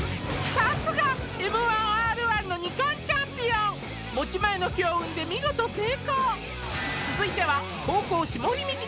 さすがＭ−１Ｒ−１の２冠チャンピオン持ち前の強運で見事成功続いては後攻霜降りミキ